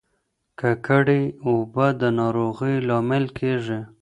ککړې اوبه د ناروغیو لامل کیږي.